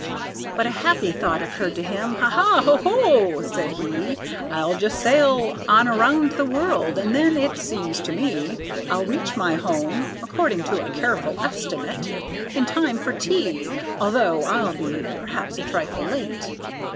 But a happy thought occurred to him, "Ha, ha, ho, ho!" said he, "I'll just sail on around the world, and then, it seems to me, I'll reach my home (according to a careful estimate) In time for tea, although I'll be perhaps a trifle late."